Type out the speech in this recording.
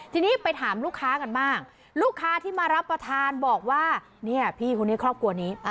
ทีนี้ไปถามลูกค้ากันบ้างลูกค้าที่มารับประทานบอกว่าเนี่ยพี่คนนี้ครอบครัวนี้